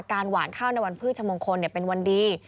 การหวานข้าวในวันพืชชมงคลเนี่ยเป็นวันดี